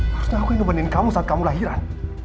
harusnya aku yang numpenin kamu saat kamu lahiran